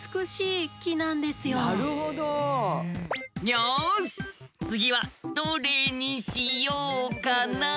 よし次はどれにしようかな？